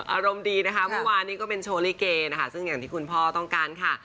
อารมณ์ดีนะคะเมื่อวานนี้ก็เป็นโชว์ลิเกนะคะซึ่งอย่างที่คุณพ่อต้องการค่ะ